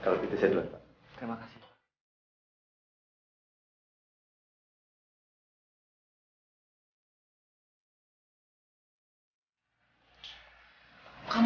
kalau gitu saya do'an pak